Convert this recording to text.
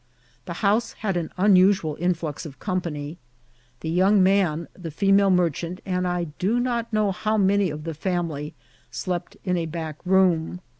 The house had an unusual influx of company. The young man, the female merchant, and I do not know how many of the family, slept in a back room.